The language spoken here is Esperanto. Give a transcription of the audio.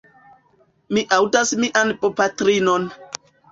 Mi aŭdas mian bopatrinon.